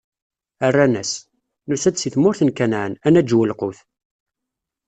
Rran-as: Nusa-d si tmurt n Kanɛan, ad naǧew lqut.